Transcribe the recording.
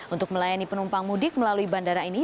untuk melayani penumpang mudik melalui bandara ini